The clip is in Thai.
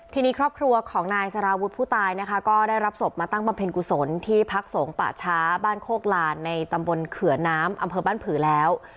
ทีนี้ครอบครัวของนายสารวุฒิผู้ตายนะคะก็ได้รับศพมาตั้งบำเพ็ญกุศลที่พักสงฆ์ป่าช้าบ้านโคกลานในตำบลเขือน้ำอำเภอบ้านผือแล้ว